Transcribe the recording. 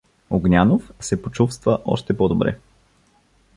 Огнянов се почувствува още по-добре.